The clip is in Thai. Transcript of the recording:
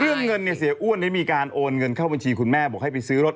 เรื่องเงินเนี่ยเสียอ้วนได้มีการโอนเงินเข้าบัญชีคุณแม่บอกให้ไปซื้อรถ